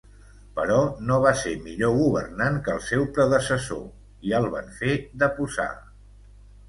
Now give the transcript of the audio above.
Però no va ser millor governant que el seu predecessor i el van fer deposar.